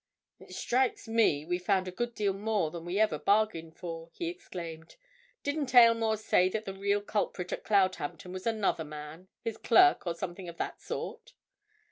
"It strikes me we've found a good deal more than we ever bargained for!" he exclaimed. "Didn't Aylmore say that the real culprit at Cloudhampton was another man—his clerk or something of that sort?"